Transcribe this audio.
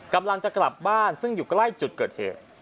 กำลังจะกลับบ้านซึ่งอยู่ใกล้จุดเกิดเหตุ